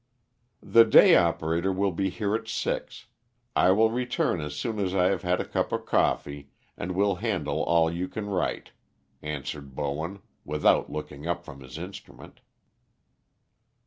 "The day operator will be here at six, I will return as soon as I have had a cup of coffee, and we'll handle all you can write," answered Bowen, without looking up from his instrument.